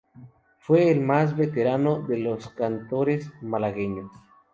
Fue el más veterano de los cantaores malagueños.